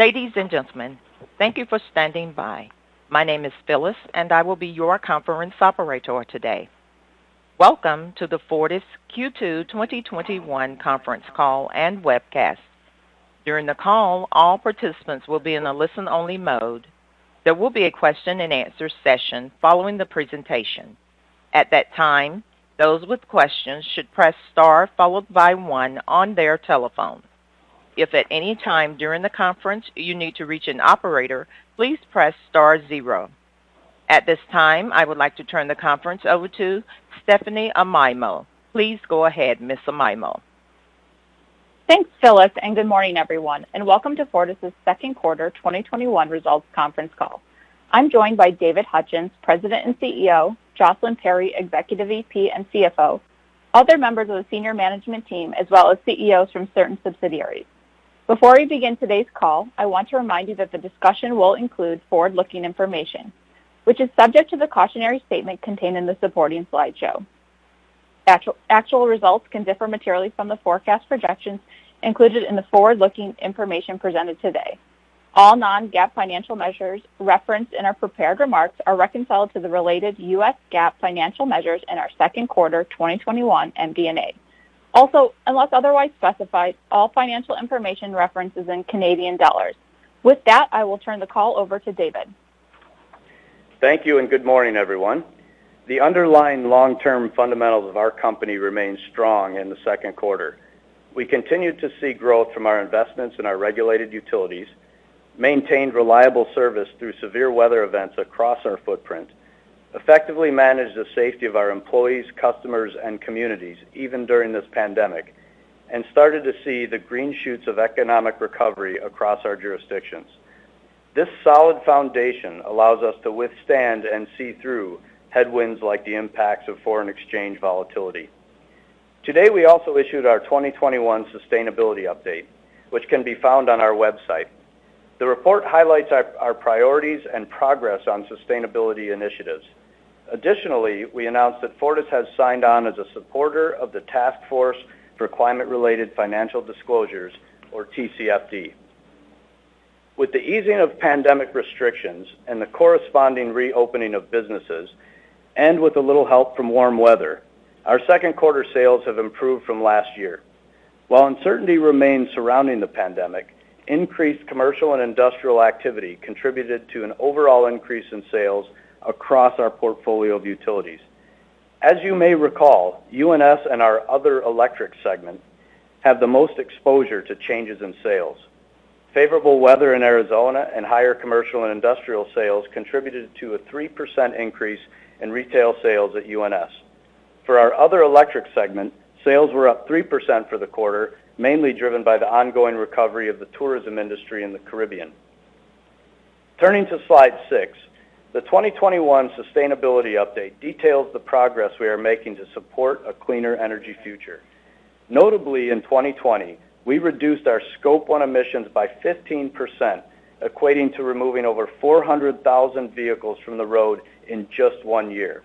Ladies and gentlemen, thank you for standing by. My name is Phyllis. I will be your conference operator today. Welcome to the Fortis Q2 2021 Conference Call and Webcast. During the call, all participants will be in a listen-only mode. There will be a question and answer session following the presentation. At that time, those with questions should press star followed by one on their telephone. If at any time during the conference you need to reach an operator, please press star zero. At this time, I would like to turn the conference over to Stephanie Amaimo. Please go ahead, Miss Amaimo. Thanks, Phyllis, and good morning everyone, and welcome to Fortis's second quarter 2021 results conference call. I'm joined by David Hutchens, President and CEO, Jocelyn Perry, Executive VP and CFO, other members of the senior management team, as well as CEOs from certain subsidiaries. Before we begin today's call, I want to remind you that the discussion will include forward-looking information, which is subject to the cautionary statement contained in the supporting slideshow. Actual results can differ materially from the forecast projections included in the forward-looking information presented today. All non-GAAP financial measures referenced in our prepared remarks are reconciled to the related US GAAP financial measures in our second quarter 2021 MD&A. Unless otherwise specified, all financial information referenced is in Canadian dollars. With that, I will turn the call over to David. Thank you and good morning, everyone. The underlying long-term fundamentals of our company remained strong in the second quarter. We continued to see growth from our investments in our regulated utilities, maintained reliable service through severe weather events across our footprint, effectively managed the safety of our employees, customers, and communities, even during this pandemic, and started to see the green shoots of economic recovery across our jurisdictions. This solid foundation allows us to withstand and see through headwinds like the impacts of foreign exchange volatility. Today, we also issued our 2021 sustainability update, which can be found on our website. The report highlights our priorities and progress on sustainability initiatives. Additionally, we announced that Fortis has signed on as a supporter of the Task Force on Climate-related Financial Disclosures, or TCFD. With the easing of pandemic restrictions and the corresponding reopening of businesses, and with a little help from warm weather, our second-quarter sales have improved from last year. While uncertainty remains surrounding the pandemic, increased commercial and industrial activity contributed to an overall increase in sales across our portfolio of utilities. As you may recall, UNS and our other electric segment have the most exposure to changes in sales. Favorable weather in Arizona and higher commercial and industrial sales contributed to a 3% increase in retail sales at UNS. For our other electric segment, sales were up 3% for the quarter, mainly driven by the ongoing recovery of the tourism industry in the Caribbean. Turning to slide six, the 2021 sustainability update details the progress we are making to support a cleaner energy future. Notably, in 2020, we reduced our Scope 1 emissions by 15%, equating to removing over 400,000 vehicles from the road in just one year.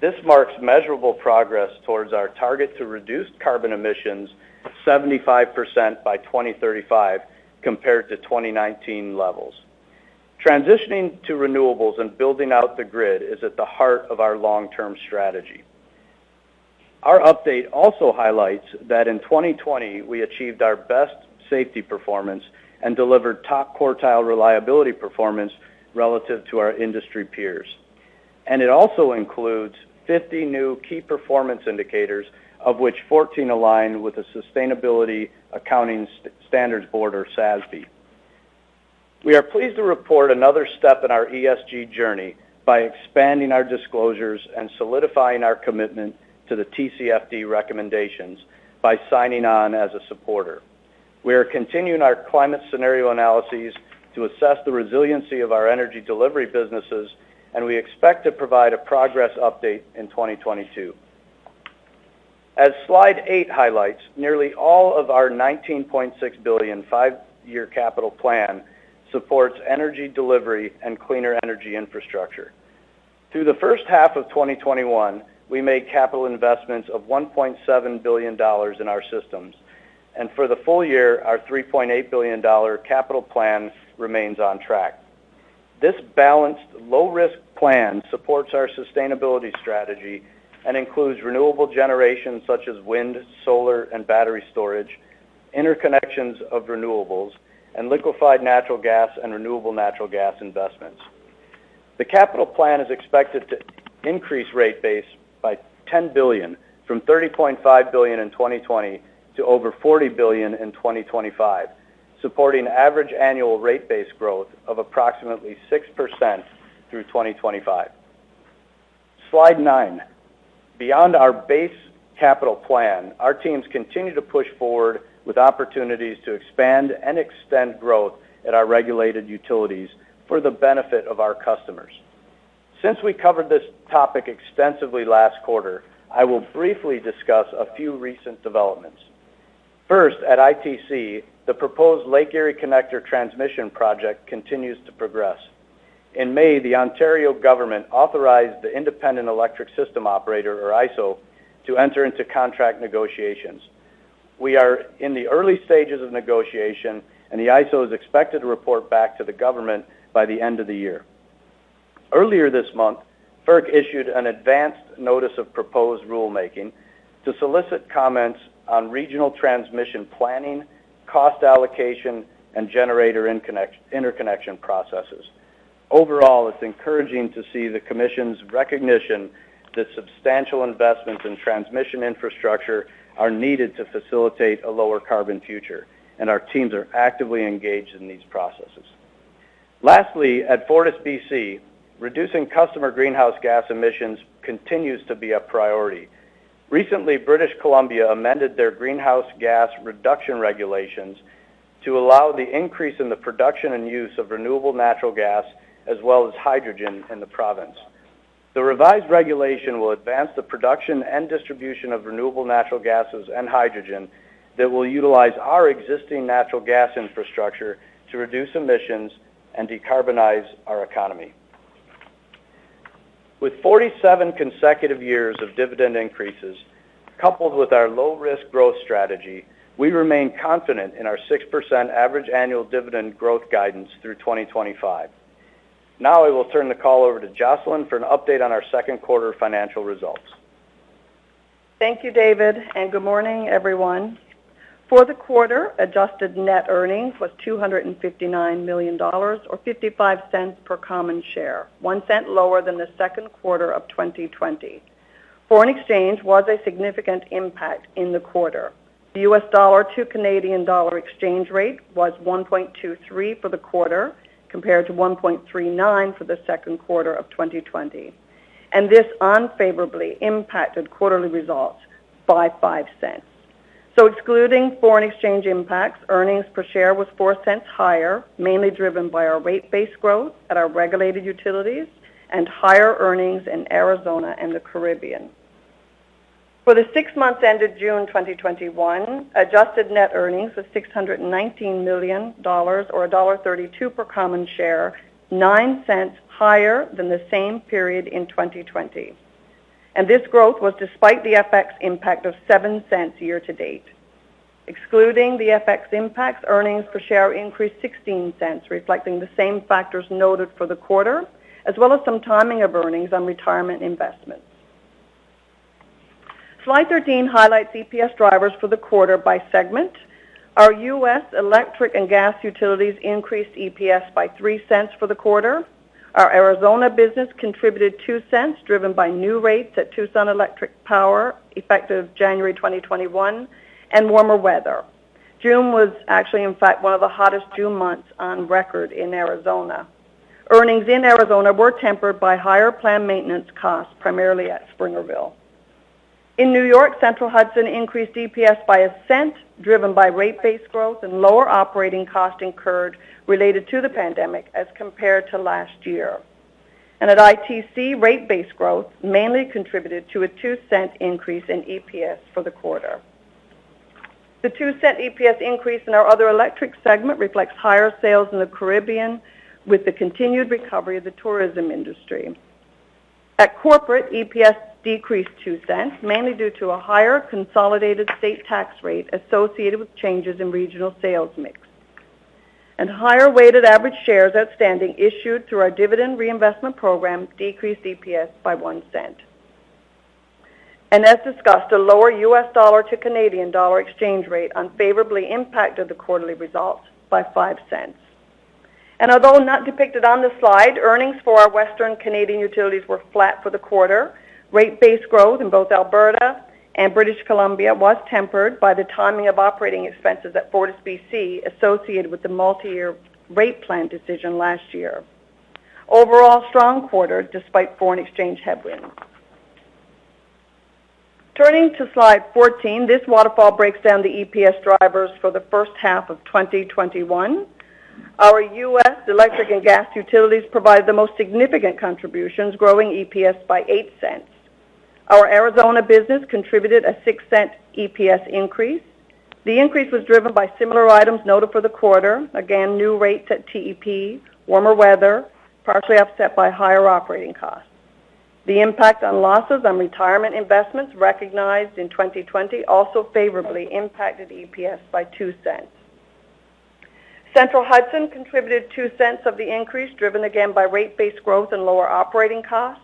This marks measurable progress towards our target to reduce carbon emissions 75% by 2035 compared to 2019 levels. Transitioning to renewables and building out the grid is at the heart of our long-term strategy. Our update also highlights that in 2020, we achieved our best safety performance and delivered top-quartile reliability performance relative to our industry peers. It also includes 50 new key performance indicators, of which 14 align with the Sustainability Accounting Standards Board, or SASB. We are pleased to report another step in our ESG journey by expanding our disclosures and solidifying our commitment to the TCFD recommendations by signing on as a supporter. We are continuing our climate scenario analyses to assess the resiliency of our energy delivery businesses, and we expect to provide a progress update in 2022. As slide eight highlights, nearly all of our 19.6 billion five-year capital plan supports energy delivery and cleaner energy infrastructure. Through the first half of 2021, we made capital investments of 1.7 billion dollars in our systems, and for the full year, our 3.8 billion dollar capital plan remains on track. This balanced, low-risk plan supports our sustainability strategy and includes renewable generation such as wind, solar, and battery storage, interconnections of renewables, and liquefied natural gas and renewable natural gas investments. The capital plan is expected to increase rate base by 10 billion from 30.5 billion in 2020 to over 40 billion in 2025, supporting average annual rate base growth of approximately 6% through 2025. Slide nine. Beyond our base capital plan, our teams continue to push forward with opportunities to expand and extend growth at our regulated utilities for the benefit of our customers. Since we covered this topic extensively last quarter, I will briefly discuss a few recent developments. First, at ITC, the proposed Lake Erie Connector Transmission project continues to progress. In May, the Ontario government authorized the Independent Electricity System Operator, or IESO, to enter into contract negotiations. We are in the early stages of negotiation, the IESO is expected to report back to the government by the end of the year. Earlier this month, FERC issued an advanced notice of proposed rulemaking to solicit comments on regional transmission planning, cost allocation, and generator interconnection processes. Overall, it's encouraging to see the commission's recognition that substantial investments in transmission infrastructure are needed to facilitate a lower-carbon future, and our teams are actively engaged in these processes. Lastly, at FortisBC, reducing customer greenhouse gas emissions continues to be a priority. Recently, British Columbia amended their Greenhouse Gas Reduction Regulations to allow the increase in the production and use of renewable natural gas, as well as hydrogen in the province. The revised regulation will advance the production and distribution of renewable natural gases and hydrogen that will utilize our existing natural gas infrastructure to reduce emissions and decarbonize our economy. With 47 consecutive years of dividend increases, coupled with our low-risk growth strategy, we remain confident in our 6% average annual dividend growth guidance through 2025. Now, I will turn the call over to Jocelyn for an update on our second quarter financial results. Thank you, David, good morning, everyone. For the quarter, adjusted net earnings was 259 million dollars or 0.55 per common share, 0.01 lower than the second quarter of 2020. Foreign exchange was a significant impact in the quarter. The US dollar to Canadian dollar exchange rate was 1.23 for the quarter, compared to 1.39 for the second quarter of 2020. This unfavorably impacted quarterly results by 0.05. Excluding foreign exchange impacts, earnings per share was 0.04 higher, mainly driven by our rate base growth at our regulated utilities and higher earnings in Arizona and the Caribbean. For the six months ended June 2021, adjusted net earnings was 619 million dollars or dollar 1.32 per common share, 0.09 higher than the same period in 2020. This growth was despite the FX impact of 0.07 year-to-date. Excluding the FX impacts, earnings per share increased 0.16, reflecting the same factors noted for the quarter, as well as some timing of earnings on retirement investments. Slide 13 highlights EPS drivers for the quarter by segment. Our US Electric and Gas utilities increased EPS by 0.03 for the quarter. Our Arizona business contributed 0.02, driven by new rates at Tucson Electric Power effective January 2021, and warmer weather. June was actually, in fact, one of the hottest June months on record in Arizona. Earnings in Arizona were tempered by higher planned maintenance costs, primarily at Springerville. In New York, Central Hudson increased EPS by CAD 0.01, driven by rate base growth and lower operating costs incurred related to the pandemic as compared to last year. At ITC, rate base growth mainly contributed to a 0.02 increase in EPS for the quarter. The 0.02 EPS increase in our other electric segment reflects higher sales in the Caribbean with the continued recovery of the tourism industry. At Corporate, EPS decreased 0.02, mainly due to a higher consolidated state tax rate associated with changes in regional sales mix. Higher weighted average shares outstanding issued through our dividend reinvestment program decreased EPS by 0.01. As discussed, a lower US dollar to Canadian dollar exchange rate unfavorably impacted the quarterly result by 0.05. Although not depicted on the slide, earnings for our Western Canadian utilities were flat for the quarter. Rate-based growth in both Alberta and British Columbia was tempered by the timing of operating expenses at FortisBC associated with the multi-year rate plan decision last year. Overall, strong quarter despite foreign exchange headwinds. Turning to slide 14, this waterfall breaks down the EPS drivers for the first half of 2021. Our US Electric and Gas utilities provided the most significant contributions, growing EPS by 0.08. Our Arizona business contributed a 0.06 EPS increase. The increase was driven by similar items noted for the quarter. Again, new rates at TEP, warmer weather, partially offset by higher operating costs. The impact on losses on retirement investments recognized in 2020 also favorably impacted EPS by 0.02. Central Hudson contributed 0.02 of the increase, driven again by rate-based growth and lower operating costs.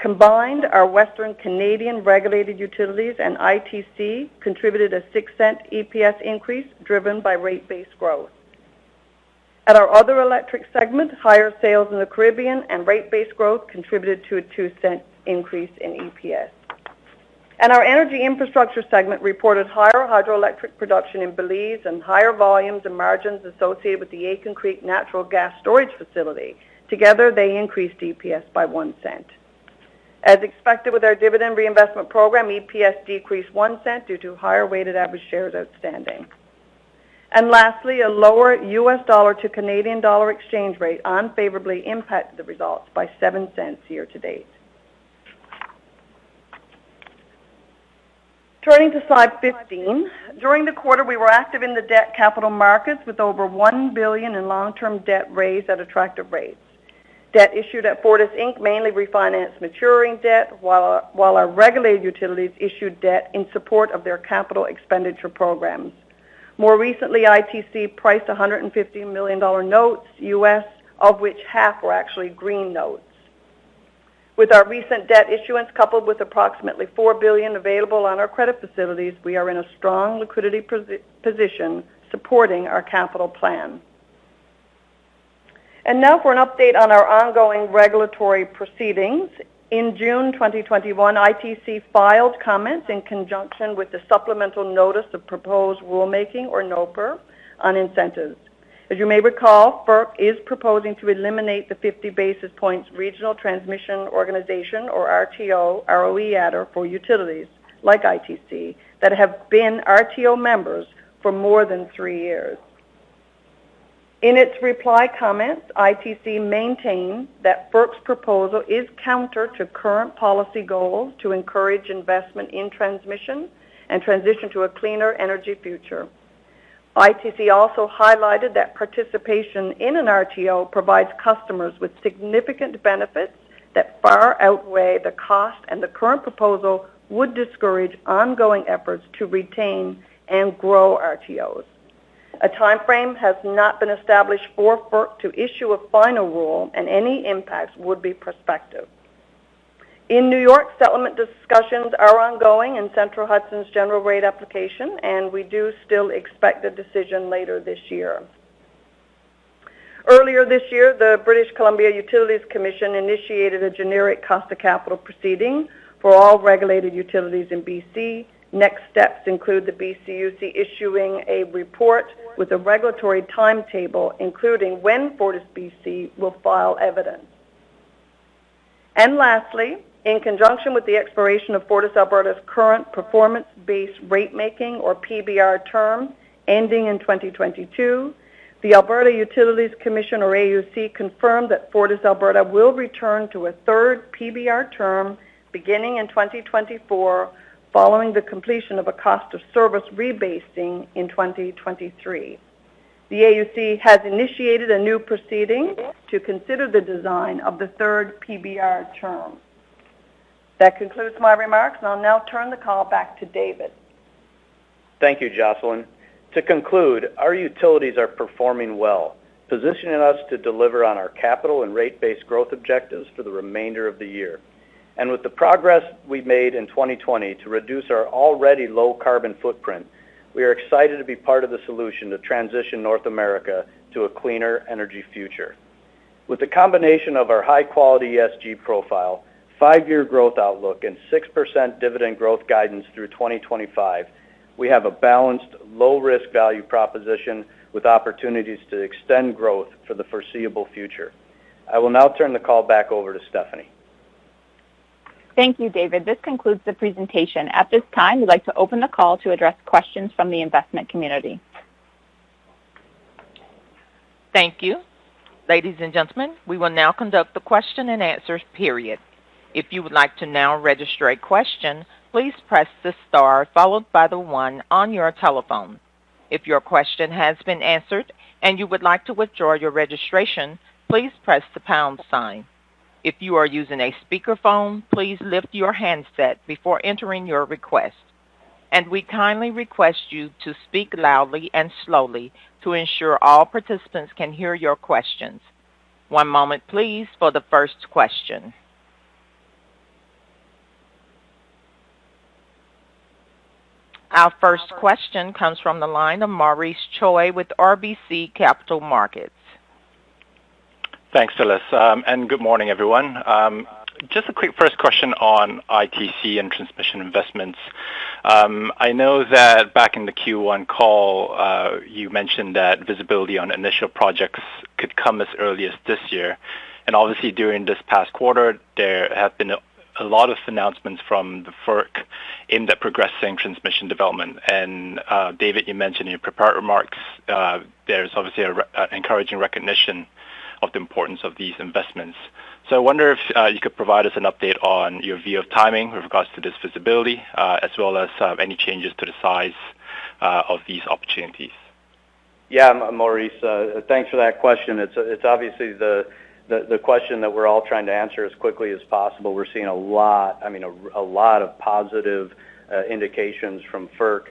Combined, our Western Canadian regulated utilities and ITC contributed a 0.06 EPS increase, driven by rate-based growth. At our other electric segment, higher sales in the Caribbean and rate-based growth contributed to a CAD 0.02 increase in EPS. Our energy infrastructure segment reported higher hydroelectric production in Belize and higher volumes and margins associated with the Aitken Creek Natural Gas Storage Facility. Together, they increased EPS by 0.01. As expected with our dividend reinvestment program, EPS decreased 0.01 due to higher weighted average shares outstanding. Lastly, a lower US dollar to Canadian dollar exchange rate unfavorably impacted the results by 0.07 year-to-date. Turning to slide 15. During the quarter, we were active in the debt capital markets with over 1 billion in long-term debt raised at attractive rates. Debt issued at Fortis Inc. mainly refinanced maturing debt, while our regulated utilities issued debt in support of their capital expenditure programs. More recently, ITC priced $150 million notes U.S., of which half were actually green notes. With our recent debt issuance, coupled with approximately 4 billion available on our credit facilities, we are in a strong liquidity position supporting our capital plan. Now for an update on our ongoing regulatory proceedings. In June 2021, ITC filed comments in conjunction with the supplemental notice of proposed rulemaking, or NOPR, on incentives. As you may recall, FERC is proposing to eliminate the 50 basis points Regional Transmission Organization, or RTO, ROE adder for utilities like ITC that have been RTO members for more than three years. In its reply comments, ITC maintained that FERC's proposal is counter to current policy goals to encourage investment in transmission and transition to a cleaner energy future. ITC also highlighted that participation in an RTO provides customers with significant benefits that far outweigh the cost, and the current proposal would discourage ongoing efforts to retain and grow RTOs. A timeframe has not been established for FERC to issue a final rule, and any impacts would be prospective. In New York, settlement discussions are ongoing in Central Hudson's general rate application. We do still expect a decision later this year. Earlier this year, the British Columbia Utilities Commission initiated a generic cost of capital proceeding for all regulated utilities in B.C. Next steps include the BCUC issuing a report with a regulatory timetable, including when FortisBC will file evidence. Lastly, in conjunction with the expiration of FortisAlberta's current performance-based ratemaking, or PBR term ending in 2022, the Alberta Utilities Commission, or AUC, confirmed that FortisAlberta will return to a third PBR term beginning in 2024 following the completion of a cost of service rebasing in 2023. The AUC has initiated a new proceeding to consider the design of the third PBR term. That concludes my remarks. I'll now turn the call back to David. Thank you, Jocelyn. To conclude, our utilities are performing well, positioning us to deliver on our capital and rate-based growth objectives for the remainder of the year. With the progress we've made in 2020 to reduce our already low-carbon footprint, we are excited to be part of the solution to transition North America to a cleaner energy future. With the combination of our high-quality ESG profile, five-year growth outlook, and 6% dividend growth guidance through 2025, we have a balanced, low-risk value proposition with opportunities to extend growth for the foreseeable future. I will now turn the call back over to Stephanie. Thank you, David. This concludes the presentation. At this time, we'd like to open the call to address questions from the investment community. Our first question comes from the line of Maurice Choy with RBC Capital Markets. Thanks, Phyllis. Good morning, everyone. Just a quick first question on ITC and transmission investments. I know that back in the Q1 call, you mentioned that visibility on initial projects could come as early as this year. Obviously, during this past quarter, there have been a lot of announcements from the FERC in the progressing transmission development. David, you mentioned in your prepared remarks, there's obviously an encouraging recognition of the importance of these investments. I wonder if you could provide us an update on your view of timing with regards to this visibility, as well as any changes to the size of these opportunities. Maurice. Thanks for that question. It's obviously the question that we're all trying to answer as quickly as possible. We're seeing a lot of positive indications from FERC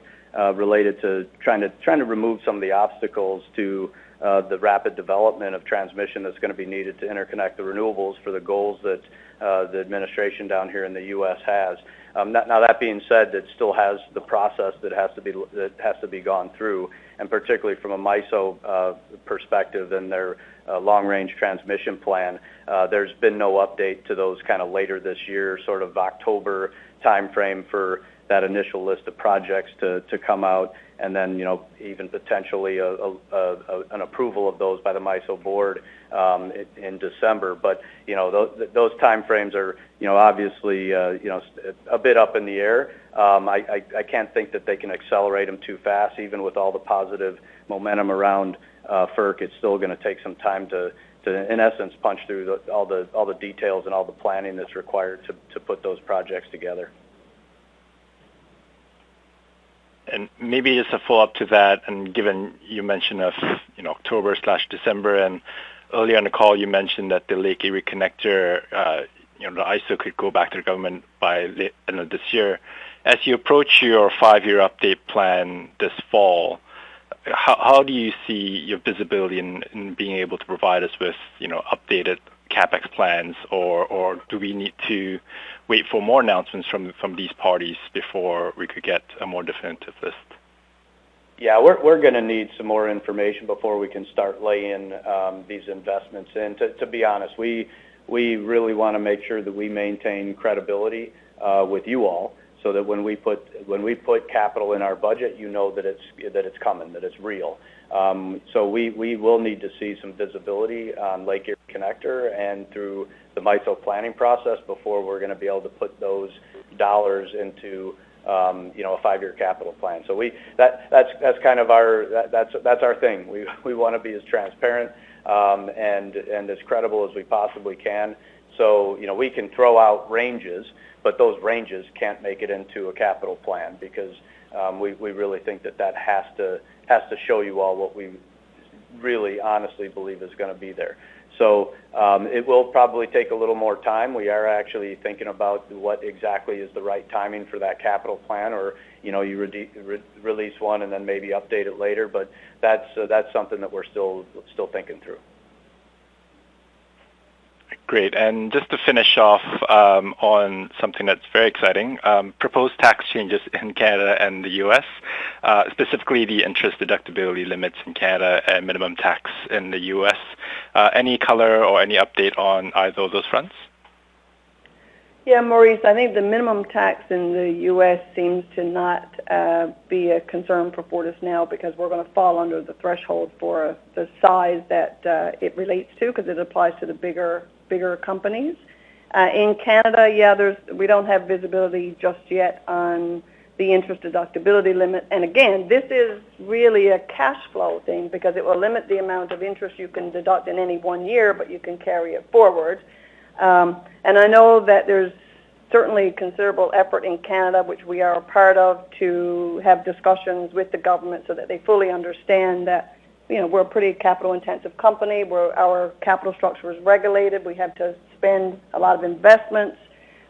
related to trying to remove some of the obstacles to the rapid development of transmission that's going to be needed to interconnect the renewables for the goals that the administration down here in the U.S. has. That being said, it still has the process that has to be gone through, and particularly from a MISO perspective and their long-range transmission plan. There's been no update to those kind of later-this-year sort of October timeframe for that initial list of projects to come out and then even potentially an approval of those by the MISO board in December. Those timeframes are obviously a bit up in the air. I can't think that they can accelerate them too fast. Even with all the positive momentum around FERC, it's still going to take some time to, in essence, punch through all the details and all the planning that's required to put those projects together. Maybe as a follow-up to that, and given you mentioned October/December, and earlier in the call, you mentioned that the Lake Erie Connector, the ISO could go back to the government by the end of this year. As you approach your five-year update plan this fall, how do you see your visibility in being able to provide us with updated CapEx plans? Do we need to wait for more announcements from these parties before we could get a more definitive list? Yeah. We're going to need some more information before we can start laying these investments in. To be honest, we really want to make sure that we maintain credibility with you all, so that when we put capital in our budget, you know that it's coming, that it's real. We will need to see some visibility on Lake Erie Connector and through the MISO planning process before we're going to be able to put those dollars into a five-year capital plan. That's our thing. We want to be as transparent and as credible as we possibly can. We can throw out ranges, but those ranges can't make it into a capital plan, because we really think that has to show you all what we really, honestly believe is going to be there. It will probably take a little more time. We are actually thinking about what exactly is the right timing for that capital plan, or you release one and then maybe update it later. That's something that we're still thinking through. Great. Just to finish off on something that's very exciting, proposed tax changes in Canada and the U.S., specifically the interest deductibility limits in Canada and minimum tax in the U.S. Any color or any update on either of those fronts? Yeah, Maurice. I think the minimum tax in the U.S. seems to not be a concern for Fortis now, because we're going to fall under the threshold for the size that it relates to, because it applies to the bigger companies. In Canada, we don't have visibility just yet on the interest deductibility limit. Again, this is really a cash flow thing because it will limit the amount of interest you can deduct in any one year, but you can carry it forward. I know that there's certainly considerable effort in Canada, which we are a part of, to have discussions with the government so that they fully understand that we're a pretty capital-intensive company, our capital structure is regulated. We have to spend a lot of investments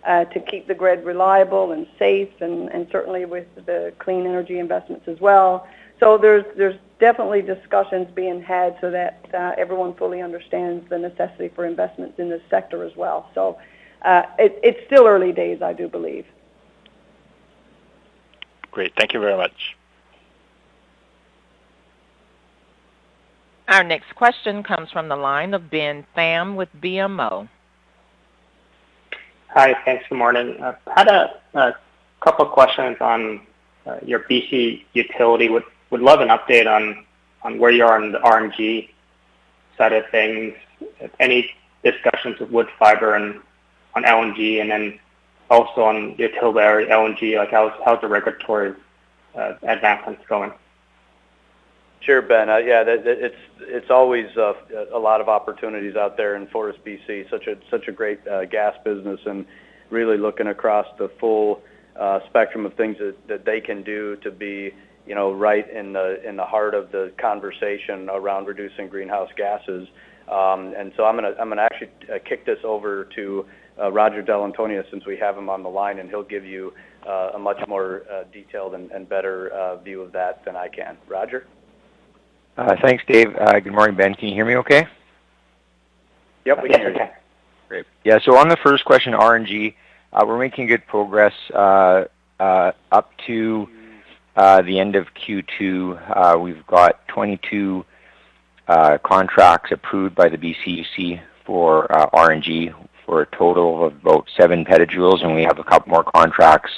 to keep the grid reliable and safe, certainly with the clean energy investments as well. There's definitely discussions being had so that everyone fully understands the necessity for investments in this sector as well. It's still early days, I do believe. Great. Thank you very much. Our next question comes from the line of Ben Pham with BMO. Hi. Thanks. Good morning. I had a couple questions on your BC utility. Would love an update on where you are on the RNG side of things, any discussions with Woodfibre and on LNG, and then also on your Tilbury LNG, like how's the regulatory advancements going? Sure, Ben. Yeah. It's always a lot of opportunities out there in FortisBC, such a great gas business, really looking across the full spectrum of things that they can do to be right in the heart of the conversation around reducing greenhouse gases. I'm going to actually kick this over to Roger Dall'Antonia since we have him on the line, and he'll give you a much more detailed and better view of that than I can. Roger? Thanks, Dave. Good morning, Ben. Can you hear me okay? Yep. Yes. Great. On the first question, RNG, we're making good progress up to the end of Q2. We've got 22 contracts approved by the BCUC for RNG for a total of about 7 PJ, and we have a couple more contracts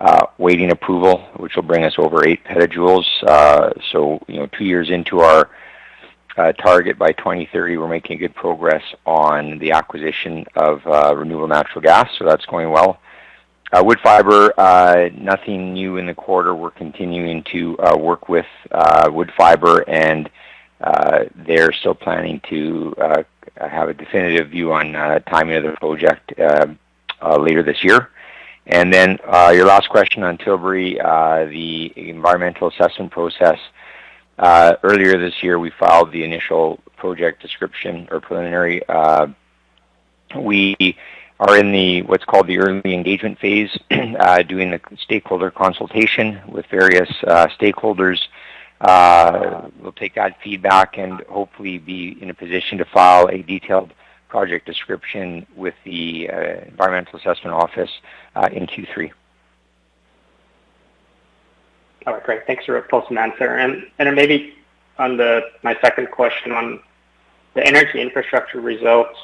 awaiting approval, which will bring us over 8 PJ. Two years into our target by 2030, we're making good progress on the acquisition of renewable natural gas. That's going well. Woodfibre, nothing new in the quarter. We're continuing to work with Woodfibre and they're still planning to have a definitive view on timing of the project later this year. Your last question on Tilbury, the environmental assessment process. Earlier this year, we filed the initial project description or preliminary. We are in the what's called the early engagement phase, doing the stakeholder consultation with various stakeholders. We'll take that feedback and hopefully be in a position to file a detailed project description with the Environmental Assessment Office in Q3. All right, great. Thanks for a full answer. Maybe on my second question on the energy infrastructure results,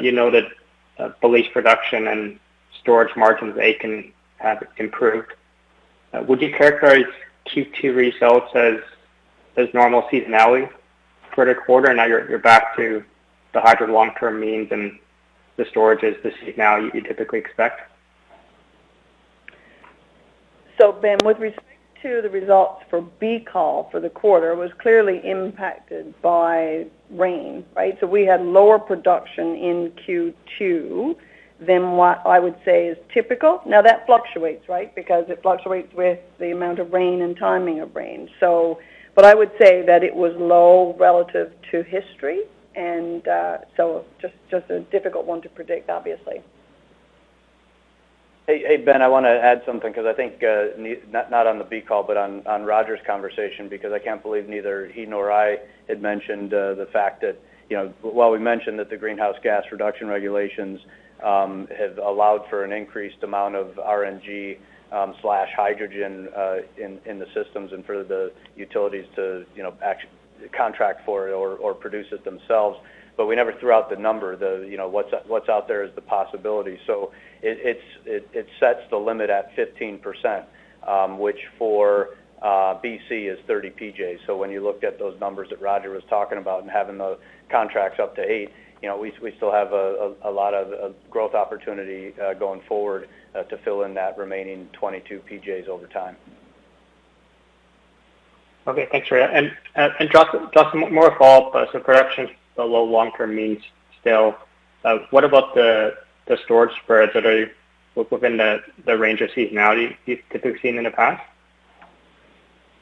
you noted Belize production and storage margins, they have improved. Would you characterize Q2 results as normal seasonality for the quarter? Now you're back to the hard long-term means and the storage is the seasonality you typically expect? Ben, with respect to the results for BECOL for the quarter, it was clearly impacted by rain, right. We had lower production in Q2 than what I would say is typical. That fluctuates, right. Because it fluctuates with the amount of rain and timing of rain. I would say that it was low relative to history and so just a difficult one to predict, obviously. Hey, Ben, I want to add something because I think, not on the BECOL, but on Roger's conversation, because I can't believe neither he nor I had mentioned the fact that while we mentioned that the Greenhouse Gas Reduction Regulation have allowed for an increased amount of RNG/hydrogen in the systems and for the utilities to contract for it or produce it themselves, but we never threw out the number. What's out there as the possibility. It sets the limit at 15%, which for BC is 30 PJs. When you looked at those numbers that Roger was talking about and having the contracts up to eight, we still have a lot of growth opportunity going forward to fill in that remaining 22 PJs over time. Okay. Thanks, David. Jocelyn, more follow-up. Production below long-term means still. What about the storage spreads that are within the range of seasonality you've typically seen in the past?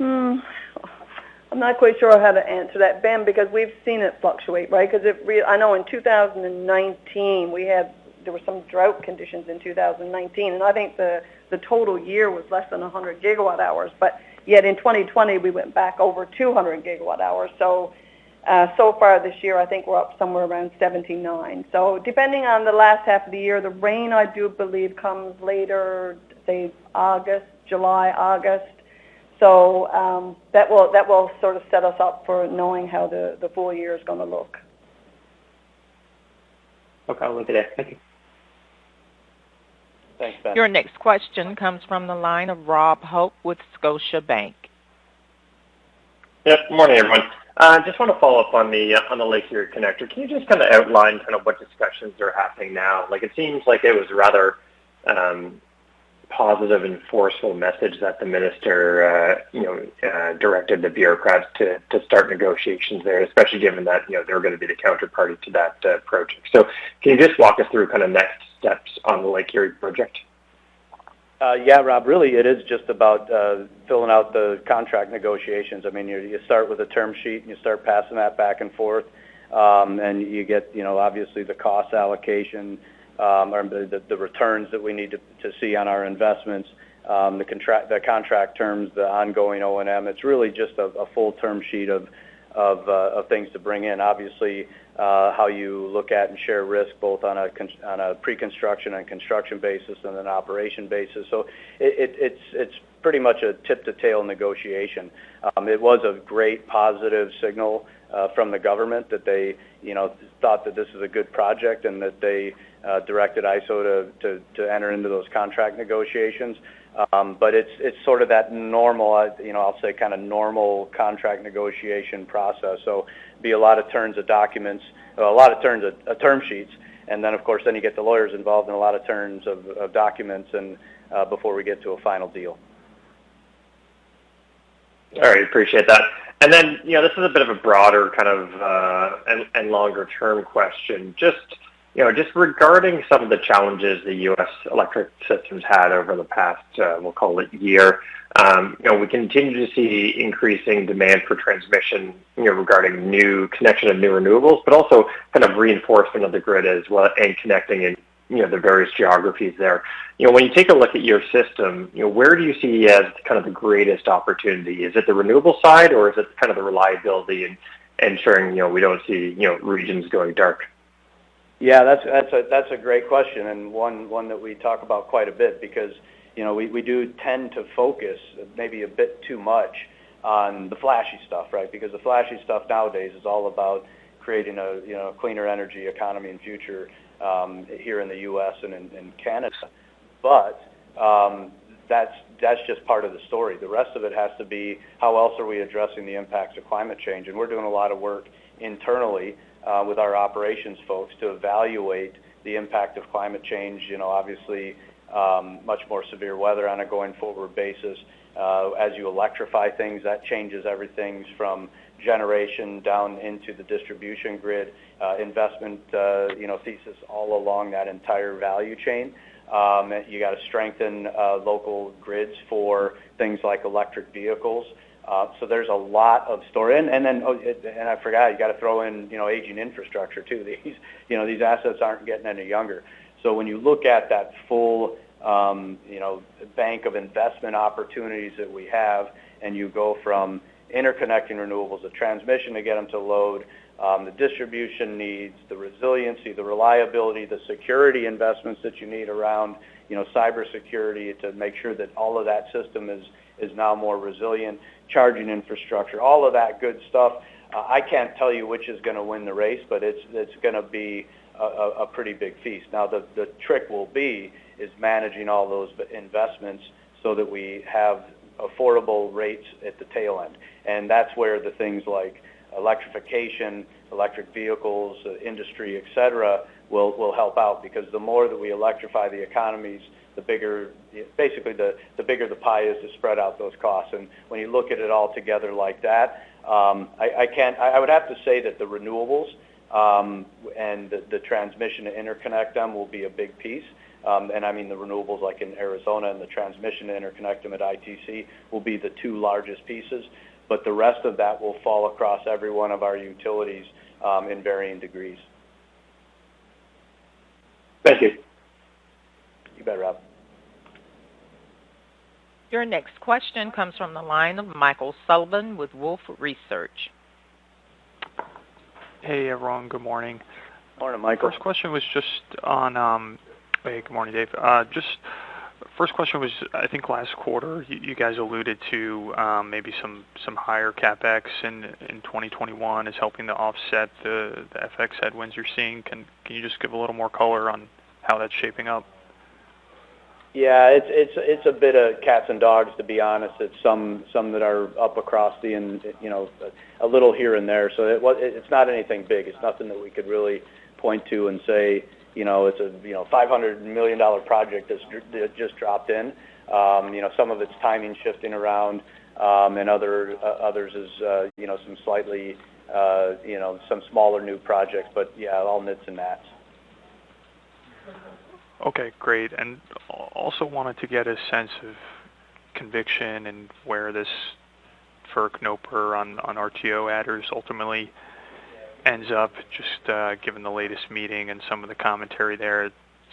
I'm not quite sure how to answer that, Ben. We've seen it fluctuate, right? I know in 2019, there were some drought conditions in 2019, and I think the total year was less than 100 GWh. In 2020, we went back over 200 GWh. So far this year, I think we're up somewhere around 79. Depending on the last half of the year, the rain, I do believe comes later, say July, August. That will sort of set us up for knowing how the full year is going to look. Okay. Will do that. Thank you. Thanks, Ben. Your next question comes from the line of Rob Hope with Scotiabank. Morning, everyone. I just want to follow up on the Lake Erie Connector. Can you just kind of outline kind of what discussions are happening now? It seems like it was rather positive and forceful message that the minister directed the bureaucrats to start negotiations there, especially given that they're going to be the counterparty to that project. Can you just walk us through kind of next steps on the Lake Erie project? Rob, really, it is just about filling out the contract negotiations. You start with a term sheet. You start passing that back and forth. You get obviously the cost allocation or the returns that we need to see on our investments, the contract terms, the ongoing O&M. It's really just a full term sheet of things to bring in. Obviously, how you look at and share risk, both on a pre-construction and construction basis and an operation basis. It's pretty much a tip-to-tail negotiation. It was a great positive signal from the government that they thought that this was a good project and that they directed ISO to enter into those contract negotiations. It's sort of that normal, I'll say, kind of normal contract negotiation process. Be a lot of turns of term sheets, and then, of course, then you get the lawyers involved in a lot of turns of documents and before we get to a final deal. All right. Appreciate that. This is a bit of a broader kind of and longer-term question. Just regarding some of the challenges the US electric system's had over the past, we'll call it year. We continue to see increasing demand for transmission regarding connection of new renewables, also kind of reinforcement of the grid as well and connecting in the various geographies there. When you take a look at your system, where do you see as kind of the greatest opportunity? Is it the renewable side or is it kind of the reliability and ensuring we don't see regions going dark? Yeah. That's a great question and one that we talk about quite a bit because we do tend to focus maybe a bit too much on the flashy stuff, right? The flashy stuff nowadays is all about creating a cleaner energy economy and future here in the U.S. and in Canada. That's just part of the story. The rest of it has to be how else are we addressing the impacts of climate change? We're doing a lot of work internally with our operations folks to evaluate the impact of climate change. Obviously, much more severe weather on a going-forward basis. As you electrify things, that changes everything from generation down into the distribution grid, investment thesis all along that entire value chain. You got to strengthen local grids for things like electric vehicles. There's a lot of scope in. Oh, I forgot, you got to throw in aging infrastructure, too. These assets aren't getting any younger. When you look at that full bank of investment opportunities that we have, you go from interconnecting renewables, the transmission to get them to load, the distribution needs, the resiliency, the reliability, the security investments that you need around cybersecurity to make sure that all of that system is now more resilient, charging infrastructure, all of that good stuff. I can't tell you which is going to win the race, but it's going to be a pretty big feast. The trick will be is managing all those investments so that we have affordable rates at the tail end. That's where the things like electrification, electric vehicles, industry, et cetera, will help out, because the more that we electrify the economies, basically the bigger the pie is to spread out those costs. When you look at it all together like that, I would have to say that the renewables, and the transmission to interconnect them will be a big piece. I mean the renewables, like in Arizona, and the transmission to interconnect them at ITC will be the two largest pieces, but the rest of that will fall across every one of our utilities in varying degrees. Thank you. You bet, Rob. Your next question comes from the line of Michael Sullivan with Wolfe Research. Hey, everyone. Good morning. Morning, Michael. Good morning, Dave. First question was, I think last quarter, you guys alluded to maybe some higher CapEx in 2021 is helping to offset the FX headwinds you're seeing. Can you just give a little more color on how that's shaping up? Yeah. It's a bit of cats and dogs, to be honest. It's some that are up across the, a little here and there. It's not anything big. It's nothing that we could really point to and say, "It's a 500 million dollar project that just dropped in." Some of it's timing shifting around, and others is some smaller new projects. Yeah, all nits and nats. Okay. Great. Also wanted to get a sense of conviction and where this FERC NOPR on RTO adders ultimately ends up, just given the latest meeting and some of the commentary there.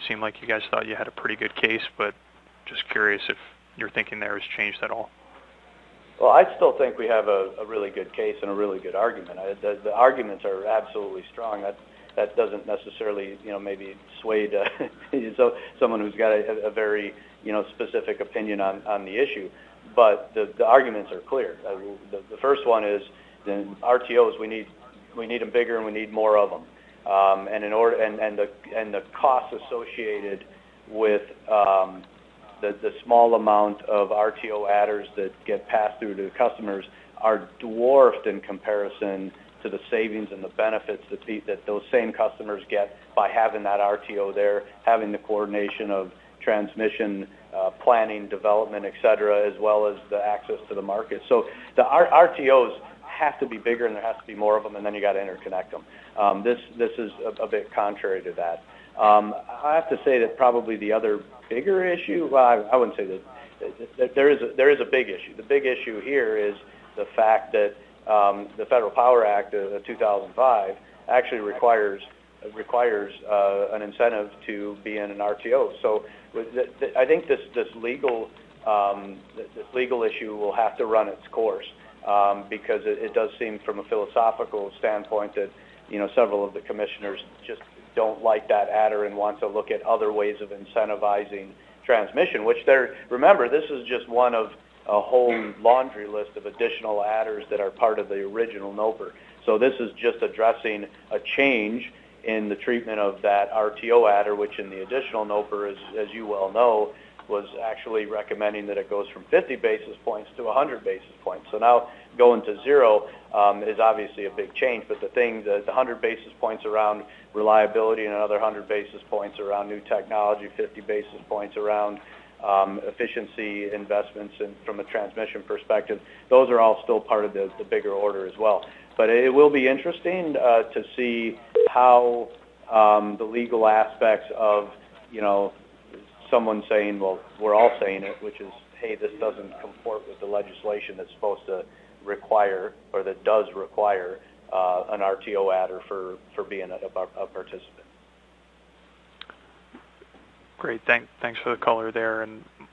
Seemed like you guys thought you had a pretty good case, but just curious if your thinking there has changed at all. Well, I still think we have a really good case and a really good argument. The arguments are absolutely strong. That doesn't necessarily maybe sway someone who's got a very specific opinion on the issue. The arguments are clear. The first one is in RTOs, we need them bigger and we need more of them. The costs associated with the small amount of RTO adders that get passed through to the customers are dwarfed in comparison to the savings and the benefits that those same customers get by having that RTO there, having the coordination of transmission, planning, development, et cetera, as well as the access to the market. The RTOs have to be bigger, and there has to be more of them, and then you've got to interconnect them. This is a bit contrary to that. I have to say that probably the other bigger issue, well, I wouldn't say this, there is a big issue. The big issue here is the fact that the Federal Power Act of 2005 actually requires an incentive to be in an RTO. I think this legal issue will have to run its course, because it does seem from a philosophical standpoint that several of the commissioners just don't like that adder and want to look at other ways of incentivizing transmission. Which remember, this is just one of a whole laundry list of additional adders that are part of the original NOPR. This is just addressing a change in the treatment of that RTO adder, which in the additional NOPR, as you well know, was actually recommending that it goes from 50 basis points to 100 basis points. Now going to zero is obviously a big change. The thing, the 100 basis points around reliability and another 100 basis points around new technology, 50 basis points around efficiency investments and from a transmission perspective, those are all still part of the bigger order as well. It will be interesting to see how the legal aspects of someone saying, well, we're all saying it, which is, "Hey, this doesn't comport with the legislation that's supposed to require, or that does require an RTO adder for being a participant. Great. Thanks for the color there.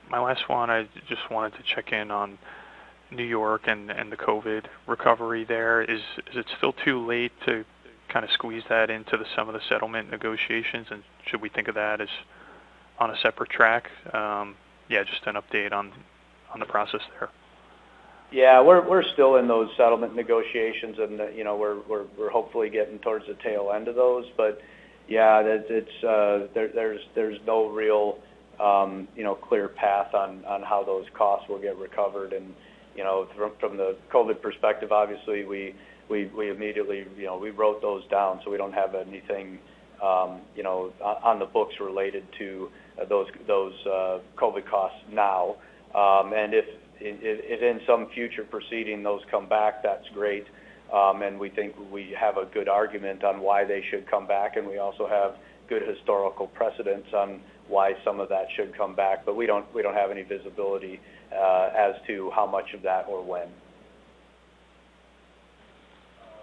My last one, I just wanted to check in on New York and the COVID recovery there. Is it still too late to kind of squeeze that into some of the settlement negotiations? Should we think of that as on a separate track? Just an update on the process there. Yeah. We're still in those settlement negotiations and we're hopefully getting towards the tail end of those. Yeah, there's no real clear path on how those costs will get recovered. From the COVID perspective, obviously, we immediately wrote those down, so we don't have anything on the books related to those COVID costs now. If in some future proceeding those come back, that's great, and we think we have a good argument on why they should come back, and we also have good historical precedence on why some of that should come back. We don't have any visibility as to how much of that or when.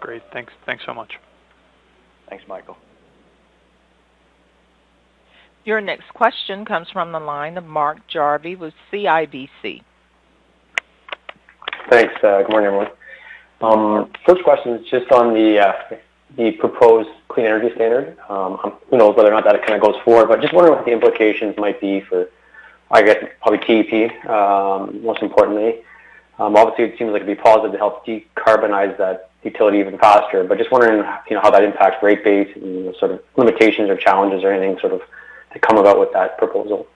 Great. Thanks so much. Thanks, Michael. Your next question comes from the line of Mark Jarvi with CIBC. Thanks. Good morning, everyone. First question is just on the proposed clean energy standard. Who knows whether or not that goes forward, just wondering what the implications might be for, I guess, probably TEP, most importantly. Obviously, it seems like it'd be positive to help decarbonize that utility even faster. Just wondering how that impacts rate base and the sort of limitations or challenges or anything sort of to come about with that proposal?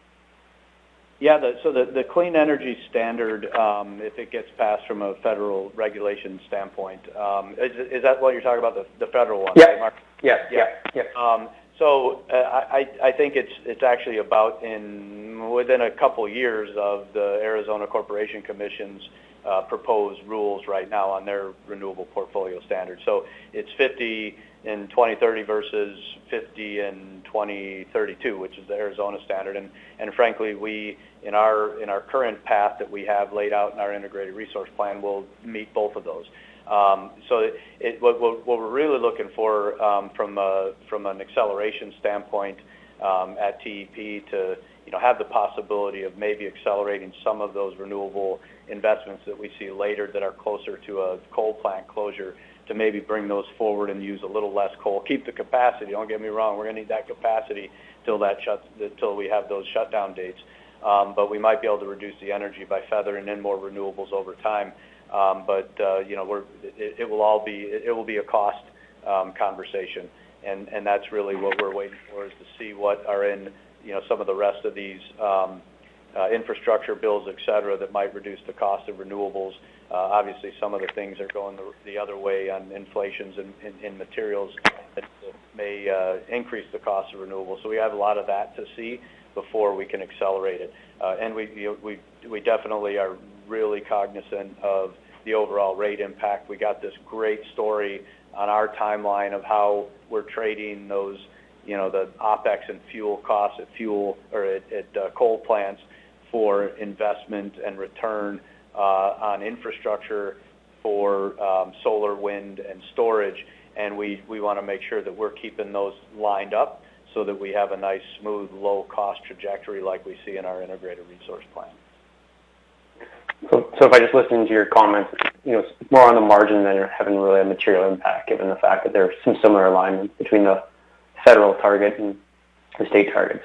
Yeah. The clean energy standard, if it gets passed from a federal regulation standpoint, is that what you're talking about, the federal one, Mark? Yeah. I think it's actually about within a couple of years of the Arizona Corporation Commission's proposed rules right now on their renewable portfolio standard. It's 2050 and 2030 versus 2050 and 2032, which is the Arizona standard. Frankly, we, in our current path that we have laid out in our integrated resource plan, we'll meet both of those. What we're really looking for from an acceleration standpoint at TEP to have the possibility of maybe accelerating some of those renewable investments that we see later that are closer to a coal plant closure to maybe bring those forward and use a little less coal. Keep the capacity, don't get me wrong. We're going to need that capacity till we have those shutdown dates. We might be able to reduce the energy by feathering in more renewables over time. It will be a cost conversation. That's really what we're waiting for, is to see what are in some of the rest of these infrastructure bills, et cetera, that might reduce the cost of renewables. Obviously, some of the things are going the other way on inflations and materials that may increase the cost of renewables. We have a lot of that to see before we can accelerate it. We definitely are really cognizant of the overall rate impact. We got this great story on our timeline of how we're trading those OpEx and fuel costs at coal plants for investment and return on infrastructure for solar, wind, and storage. We want to make sure that we're keeping those lined up so that we have a nice, smooth, low-cost trajectory like we see in our integrated resource plan. If I just listened to your comments, it's more on the margin than having really a material impact, given the fact that there are some similar alignment between the federal target and the state targets.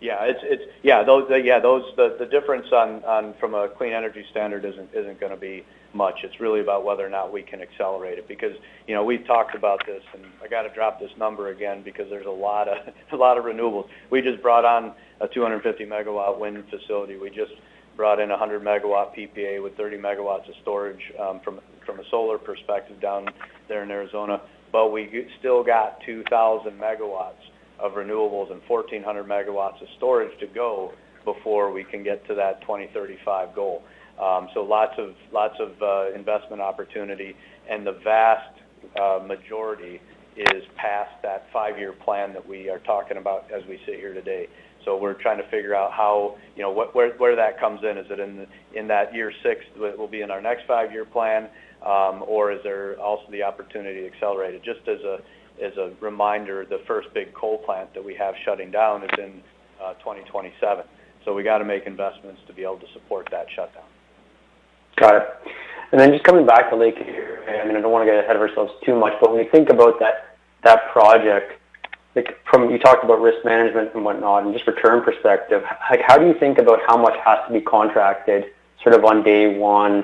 Yeah. The difference from a clean energy standard isn't going to be much. It's really about whether or not we can accelerate it. We've talked about this, and I got to drop this number again because there's a lot of renewables. We just brought on a 250 MW wind facility. We just brought in a 100 MW PPA with 30 MW of storage from a solar perspective down there in Arizona. We still got 2,000 MW of renewables and 1,400 MW of storage to go before we can get to that 2035 goal. Lots of investment opportunity, and the vast majority is past that five-year plan that we are talking about as we sit here today. We're trying to figure out where that comes in. Is it in that year six? Will it be in our next five-year plan? Is there also the opportunity to accelerate it? Just as a reminder, the first big coal plant that we have shutting down is in 2027. We got to make investments to be able to support that shutdown. Got it. Then just coming back to Lake Erie, I don't want to get ahead of ourselves too much, but when we think about that project, you talked about risk management and whatnot and just return perspective. How do you think about how much has to be contracted sort of on day 1?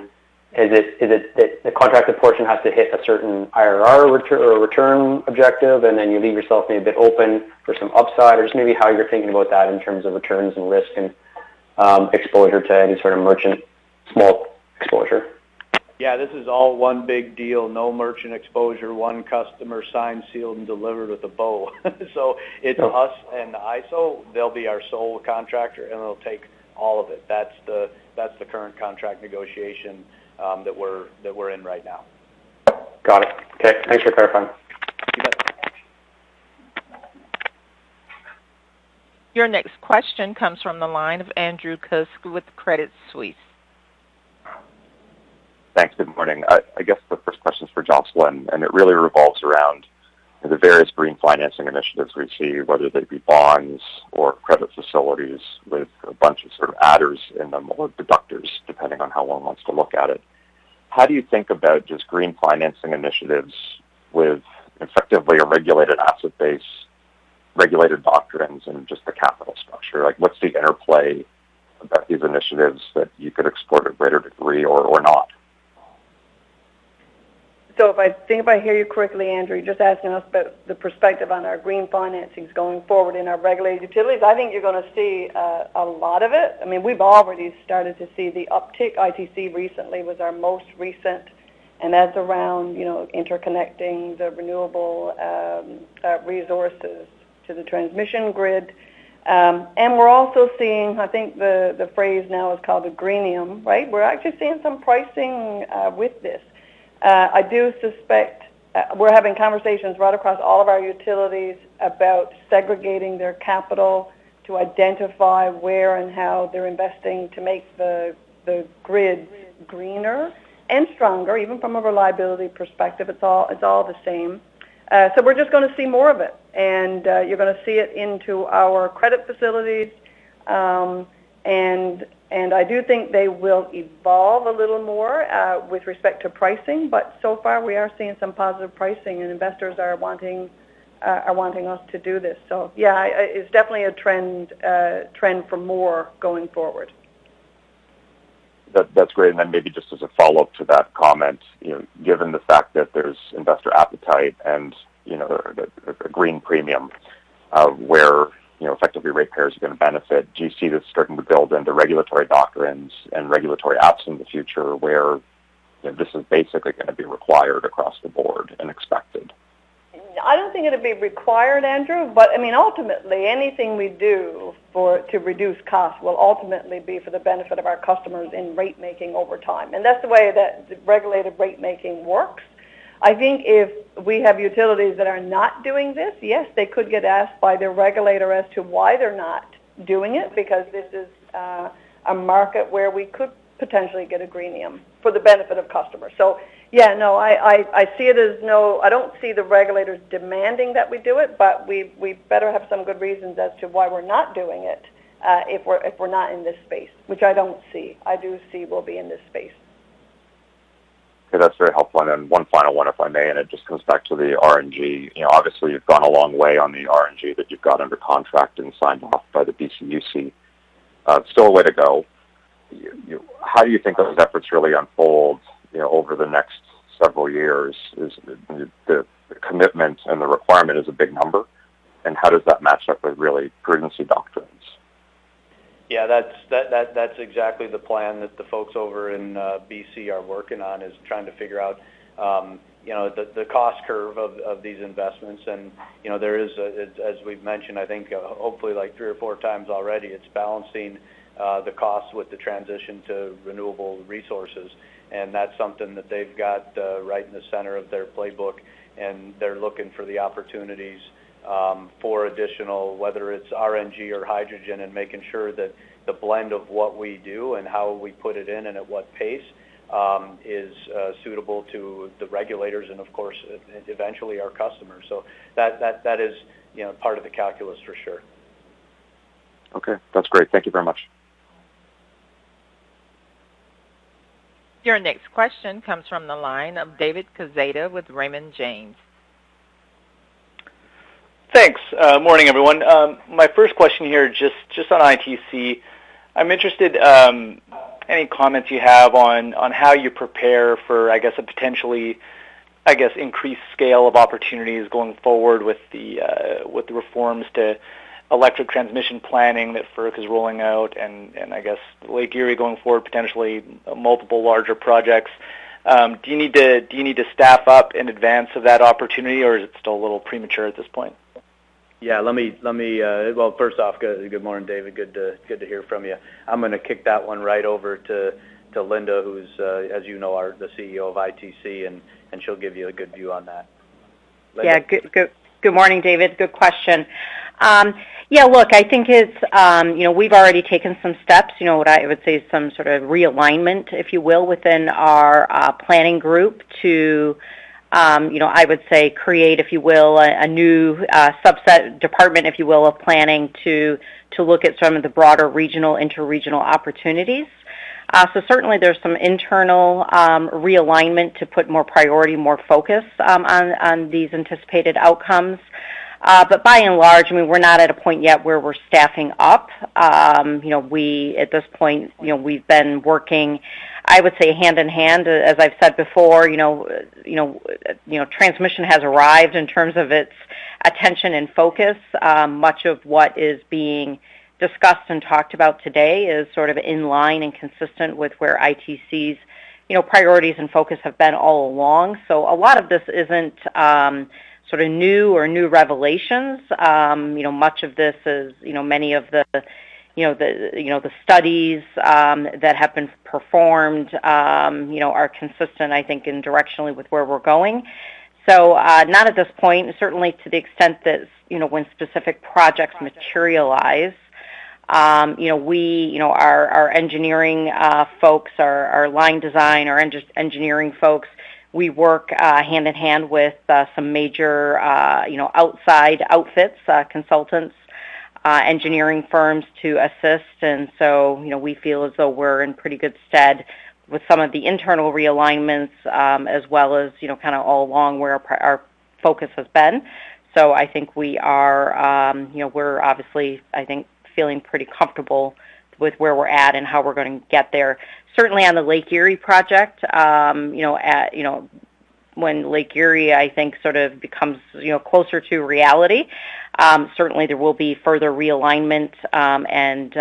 Is it that the contracted portion has to hit a certain IRR or return objective, and then you leave yourself maybe a bit open for some upside? Just maybe how you're thinking about that in terms of returns and risk and exposure to any sort of merchant small exposure. This is all one big deal. No merchant exposure. One customer signed, sealed, and delivered with a bow. It's us and the ISO. They'll be our sole contractor, and they'll take all of it. That's the current contract negotiation that we're in right now. Got it. Okay. Thanks for clarifying. Your next question comes from the line of Andrew Kuske with Credit Suisse. Thanks. Good morning. I guess the first question is for Jocelyn, and it really revolves around the various green financing initiatives we see, whether they be bonds or credit facilities with a bunch of adders in them or deductors, depending on how one wants to look at it. How do you think about just green financing initiatives with effectively a regulated asset base, regulated doctrines, and just the capital structure? What's the interplay about these initiatives that you could export a greater degree or not? If I hear you correctly, Andrew, you're just asking us about the perspective on our green financings going forward in our regulated utilities. I think you're going to see a lot of it. We've already started to see the uptick. ITC recently was our most recent, and that's around interconnecting the renewable resources to the transmission grid. We're also seeing, I think the phrase now is called a greenium, right? We're actually seeing some pricing with this. I do suspect we're having conversations right across all of our utilities about segregating their capital to identify where and how they're investing to make the grid greener and stronger, even from a reliability perspective. It's all the same. We're just going to see more of it, and you're going to see it into our credit facilities. I do think they will evolve a little more with respect to pricing. So far, we are seeing some positive pricing, and investors are wanting us to do this. Yeah, it's definitely a trend for more going forward. That's great. Then maybe just as a follow-up to that comment, given the fact that there's investor appetite and a green premium, where effectively rate payers are going to benefit, do you see this starting to build into regulatory doctrines and regulatory acts in the future where this is basically going to be required across the board and expected? I don't think it'd be required, Andrew Kuske, ultimately, anything we do to reduce costs will ultimately be for the benefit of our customers in rate making over time. That's the way that regulated rate making works. I think if we have utilities that are not doing this, yes, they could get asked by their regulator as to why they're not doing it, because this is a market where we could potentially get a greenium for the benefit of customers. Yeah, I don't see the regulators demanding that we do it, we better have some good reasons as to why we're not doing it, if we're not in this space, which I don't see. I do see we'll be in this space. Okay. That's very helpful. One final one, if I may, and it just comes back to the RNG. Obviously, you've gone a long way on the RNG that you've got under contract and signed off by the BCUC. Still a way to go. How do you think those efforts really unfold over the next several years? The commitment and the requirement is a big number, and how does that match up with really prudency doctrines? Yeah, that's exactly the plan that the folks over in B.C. are working on, is trying to figure out the cost curve of these investments. As we've mentioned, I think hopefully three or four times already, it's balancing the costs with the transition to renewable resources. That's something that they've got right in the center of their playbook, and they're looking for the opportunities for additional, whether it's RNG or hydrogen, and making sure that the blend of what we do and how we put it in and at what pace, is suitable to the regulators and, of course, eventually our customers. That is part of the calculus for sure. Okay. That's great. Thank you very much. Your next question comes from the line of David Quezada with Raymond James. Thanks. Morning, everyone. My first question here, just on ITC. I'm interested, any comments you have on how you prepare for, I guess, a potentially increased scale of opportunities going forward with the reforms to electric transmission planning that FERC is rolling out, and I guess Lake Erie going forward, potentially multiple larger projects. Do you need to staff up in advance of that opportunity, or is it still a little premature at this point? Yeah. Well, first off, good morning, David. Good to hear from you. I'm going to kick that one right over to Linda, who's, as you know, the CEO of ITC, and she'll give you a good view on that. Linda? Good morning, David. Good question. Look, I think we've already taken some steps, what I would say some sort of realignment, if you will, within our planning group to I would say create, if you will, a new subset department, if you will, of planning to look at some of the broader regional, interregional opportunities. Certainly, there's some internal realignment to put more priority, more focus, on these anticipated outcomes. By and large, we're not at a point yet where we're staffing up. At this point, we've been working, I would say, hand in hand. As I've said before, transmission has arrived in terms of its attention and focus. Much of what is being discussed and talked about today is sort of in line and consistent with where ITC's priorities and focus have been all along. A lot of this isn't sort of new or new revelations. Much of this, many of the studies that have been performed are consistent, I think, in directionally with where we're going. Not at this point, certainly to the extent that when specific projects materialize, our engineering folks, our line design, we work hand-in-hand with some major outside outfits, consultants, engineering firms to assist. We feel as though we're in pretty good stead with some of the internal realignments, as well as kind of all along where our focus has been. I think we're obviously, I think, feeling pretty comfortable with where we're at and how we're going to get there. Certainly, on the Lake Erie project, when Lake Erie, I think, sort of becomes closer to reality, certainly there will be further realignment, and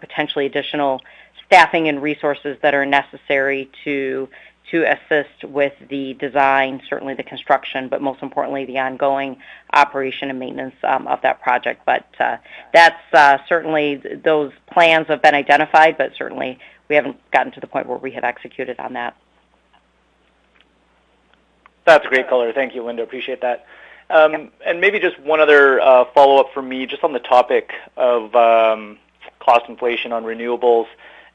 potentially additional staffing and resources that are necessary to assist with the design, certainly the construction, but most importantly the ongoing operation and maintenance of that project. Certainly, those plans have been identified, but certainly we haven't gotten to the point where we have executed on that. That's great color. Thank you, Linda. Appreciate that. Maybe just one other follow-up from me, just on the topic of cost inflation on renewables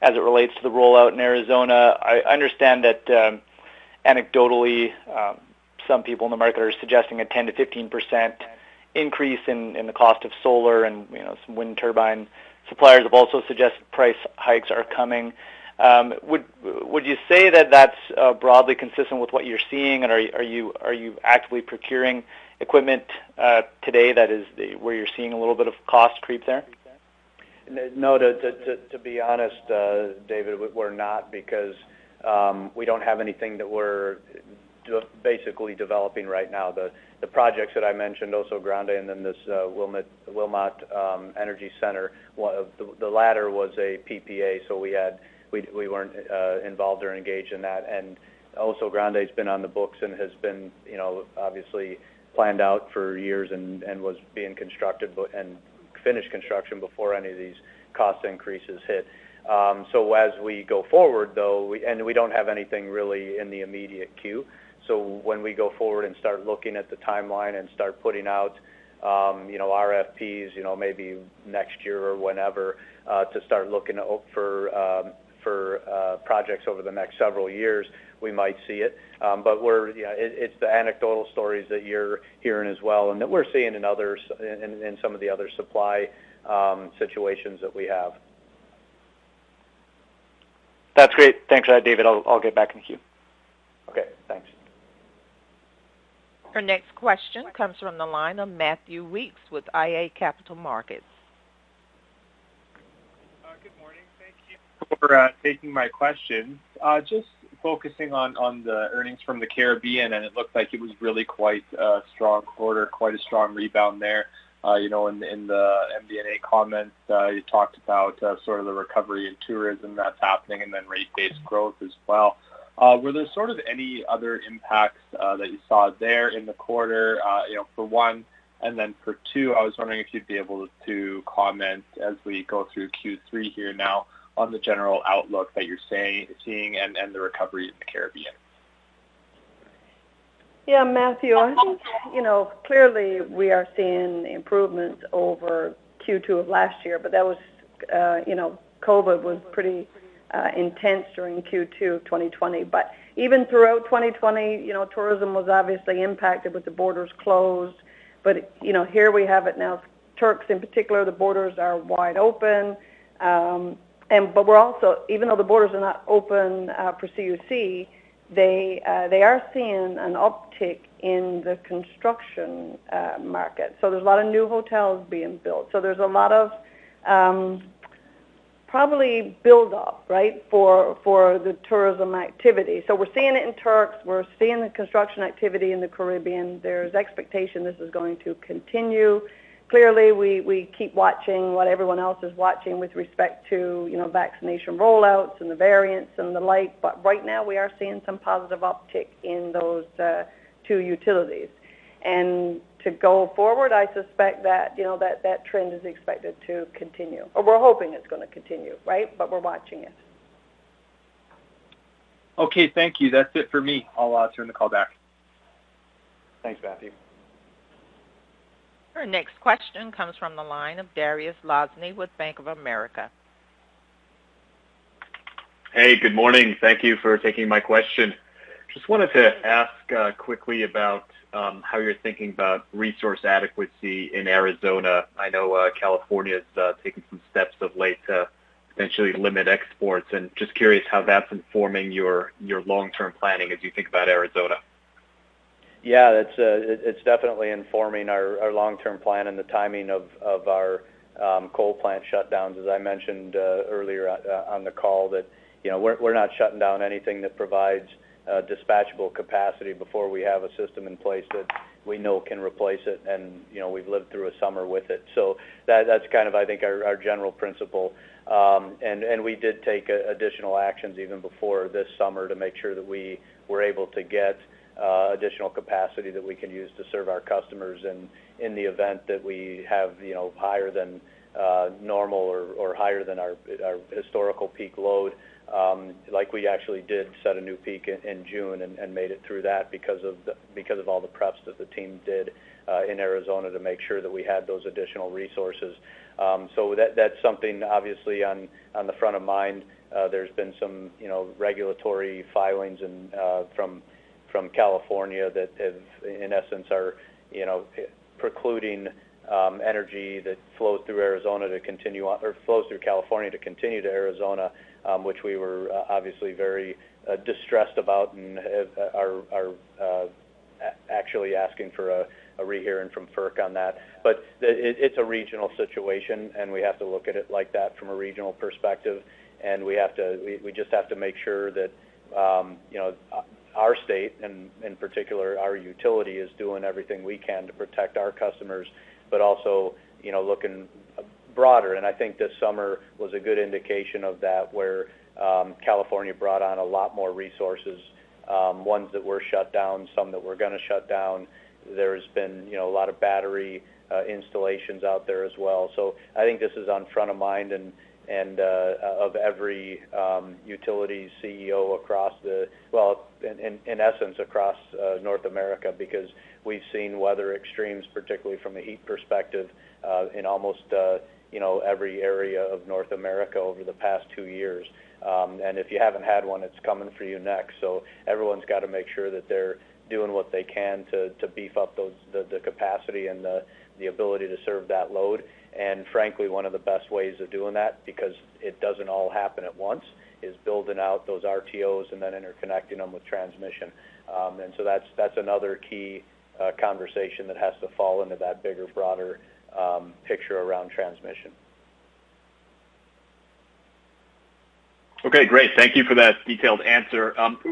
as it relates to the rollout in Arizona. I understand that anecdotally, some people in the market are suggesting a 10%-15% increase in the cost of solar, and some wind turbine suppliers have also suggested price hikes are coming. Would you say that that's broadly consistent with what you're seeing, and are you actively procuring equipment today that is where you're seeing a little bit of cost creep there? No, to be honest, David, we're not because we don't have anything that we're basically developing right now. The projects that I mentioned, Oso Grande and then this Wilmot Energy Center. The latter was a PPA, we weren't involved or engaged in that. Oso Grande's been on the books and has been obviously planned out for years and was being constructed and finished construction before any of these cost increases hit. As we go forward, though, and we don't have anything really in the immediate queue. When we go forward and start looking at the timeline and start putting out RFPs, maybe next year or whenever to start looking for projects over the next several years, we might see it. It's the anecdotal stories that you're hearing as well and that we're seeing in some of the other supply situations that we have. That's great. Thanks for that, David. I'll get back in the queue. Okay. Thanks. Our next question comes from the line of Matthew Weekes with iA Capital Markets. Good morning. Thank you for taking my question. Just focusing on the earnings from the Caribbean, it looked like it was really quite a strong quarter, quite a strong rebound there. In the MD&A comments, you talked about sort of the recovery in tourism that's happening and then rate-based growth as well. Were there sort of any other impacts that you saw there in the quarter for one? Then for two, I was wondering if you'd be able to comment as we go through Q3 here now on the general outlook that you're seeing and the recovery in the Caribbean. Yeah, Matthew, I think, clearly we are seeing improvements over Q2 of last year, but COVID was pretty intense during Q2 2020. Even throughout 2020, tourism was obviously impacted with the borders closed. Here we have it now, Turks in particular, the borders are wide open. Even though the borders are not open for CUC, they are seeing an uptick in the construction market. There's a lot of new hotels being built. There's a lot of probably build-up for the tourism activity. We're seeing it in Turks. We're seeing the construction activity in the Caribbean. There's expectation this is going to continue. Clearly, we keep watching what everyone else is watching with respect to vaccination rollouts and the variants and the like. Right now, we are seeing some positive uptick in those two utilities. To go forward, I suspect that trend is expected to continue, or we're hoping it's going to continue. We're watching it. Okay. Thank you. That's it for me. I'll turn the call back. Thanks, Matthew. Our next question comes from the line of Dariusz Lozny with Bank of America. Hey, good morning. Thank you for taking my question. Just wanted to ask quickly about how you're thinking about resource adequacy in Arizona. I know California's taken some steps of late to essentially limit exports, and just curious how that's informing your long-term planning as you think about Arizona. Yeah, it's definitely informing our long-term plan and the timing of our coal plant shutdowns. As I mentioned earlier on the call that we're not shutting down anything that provides dispatchable capacity before we have a system in place that we know can replace it, and we've lived through a summer with it. That's kind of I think our general principle. We did take additional actions even before this summer to make sure that we were able to get additional capacity that we can use to serve our customers. In the event that we have higher than normal or higher than our historical peak load, like we actually did set a new peak in June and made it through that because of all the preps that the team did in Arizona to make sure that we had those additional resources. That's something obviously on the front of mind. There's been some regulatory filings from California that in essence are precluding energy that flows through California to continue to Arizona, which we were obviously very distressed about and are actually asking for a rehearing from FERC on that. It's a regional situation, and we have to look at it like that from a regional perspective. We just have to make sure that our state and in particular, our utility is doing everything we can to protect our customers, but also looking broader. I think this summer was a good indication of that, where California brought on a lot more resources, ones that were shut down, some that were going to shut down. There's been a lot of battery installations out there as well. I think this is on front of mind and of every utility CEO, in essence, across North America, because we've seen weather extremes, particularly from a heat perspective, in almost every area of North America over the past two years. If you haven't had one, it's coming for you next. Everyone's got to make sure that they're doing what they can to beef up the capacity and the ability to serve that load. Frankly, one of the best ways of doing that, because it doesn't all happen at once, is building out those RTOs and then interconnecting them with transmission. That's another key conversation that has to fall into that bigger, broader picture around transmission. Okay, great. Thank you for that detailed answer.